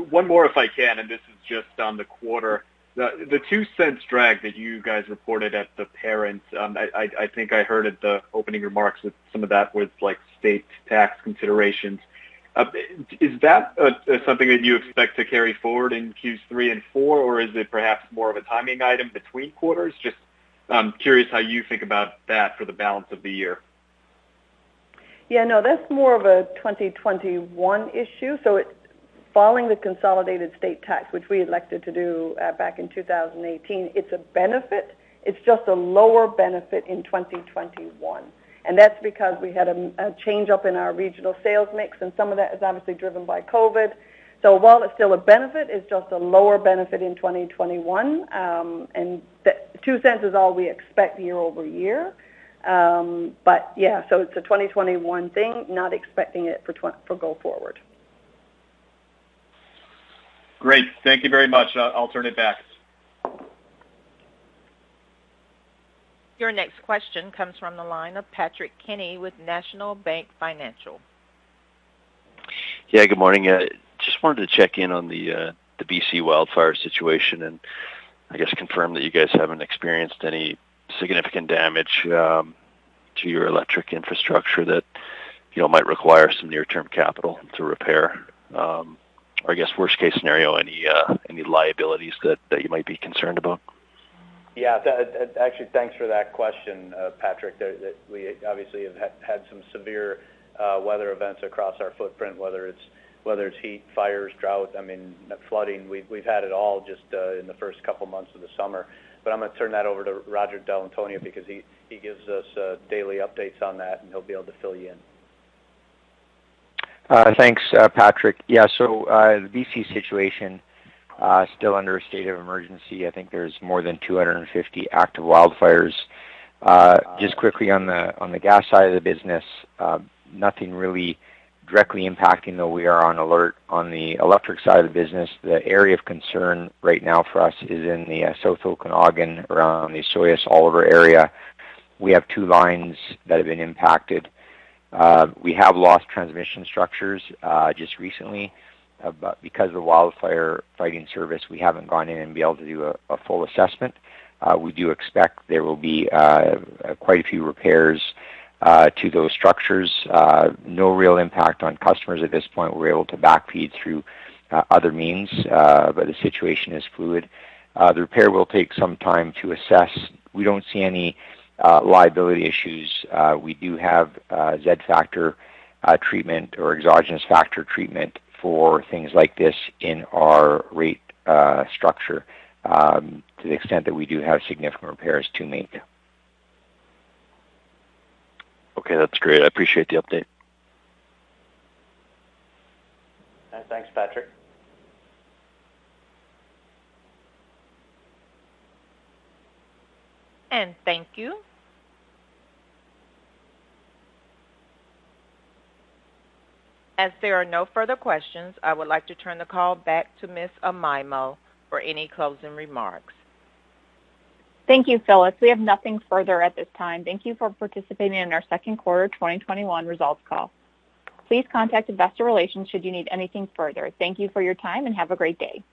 One more, if I can. This is just on the quarter. The 0.02 drag that you guys reported at the parent, I think I heard at the opening remarks that some of that was state tax considerations. Is that something that you expect to carry forward in Q3 and Q4, or is it perhaps more of a timing item between quarters? Just, I'm curious how you think about that for the balance of the year. Yeah, no, that's more of a 2021 issue. It's following the consolidated state tax, which we elected to do back in 2018. It's a benefit. It's just a lower benefit in 2021. That's because we had a change-up in our regional sales mix, and some of that is obviously driven by COVID. While it's still a benefit, it's just a lower benefit in 2021. 0.02 is all we expect year-over-year. Yeah, it's a 2021 thing, not expecting it for go forward. Great. Thank you very much. I'll turn it back. Your next question comes from the line of Patrick Kenny with National Bank Financial. Good morning. Just wanted to check in on the BC wildfire situation and I guess confirm that you guys haven't experienced any significant damage to your electric infrastructure that might require some near-term capital to repair. Or I guess worst-case scenario, any liabilities that you might be concerned about? Yeah. Actually, thanks for that question, Patrick. We obviously have had some severe weather events across our footprint, whether it's heat, fires, drought, flooding. We've had it all just in the first couple of months of the summer. I'm going to turn that over to Roger Dall'Antonia because he gives us daily updates on that, and he'll be able to fill you in. Thanks, Patrick. Yeah. The BC situation, still under a state of emergency. I think there's more than 250 active wildfires. Just quickly on the gas side of the business, nothing really directly impacting, though we are on alert. On the electric side of the business, the area of concern right now for us is in the South Okanagan, around the Osoyoos, Oliver area. We have two lines that have been impacted. We have lost transmission structures just recently. Because of the wildfire fighting service, we haven't gone in and been able to do a full assessment. We do expect there will be quite a few repairs to those structures. No real impact on customers at this point. We're able to back-feed through other means. The situation is fluid. The repair will take some time to assess. We don't see any liability issues. We do have Z-factor treatment or exogenous factor treatment for things like this in our rate structure, to the extent that we do have significant repairs to make. Okay. That's great. I appreciate the update. Thanks, Patrick. Thank you. As there are no further questions, I would like to turn the call back to Ms. Amaimo for any closing remarks. Thank you, Phyllis. We have nothing further at this time. Thank you for participating in our second quarter 2021 results call. Please contact investor relations should you need anything further. Thank you for your time, and have a great day.